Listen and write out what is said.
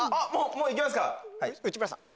もういきますか。